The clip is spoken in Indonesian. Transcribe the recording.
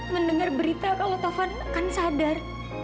mendengar berita kalau tovan akan sadar